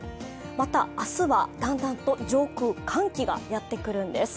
また明日はだんだんと上空、寒気がやってくるんです。